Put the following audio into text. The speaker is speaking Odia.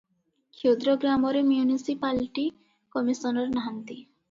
କ୍ଷୁଦ୍ର ଗ୍ରାମରେ ମିଉନିସିପାଲିଟି କମିଶନର ନାହାନ୍ତି ।